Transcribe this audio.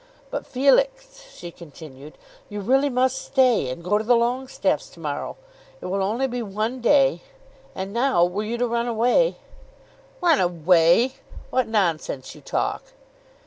"But, Felix," she continued, "you really must stay and go to the Longestaffes' to morrow. It will only be one day. And now were you to run away " "Run away! What nonsense you talk."